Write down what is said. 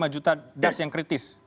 lima juta das yang kritis